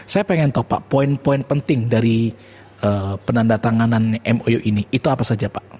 saya pengen tahu pak poin poin penting dari penanda tanganan mou ini itu apa saja pak